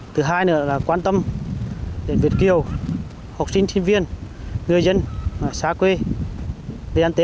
thứ hai nữa là quan tâm đến việt kiều học sinh sinh viên người dân xã quê về ăn tết